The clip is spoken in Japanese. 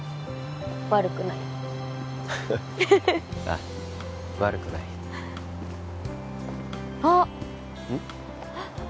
悪くないああ悪くないあっうん？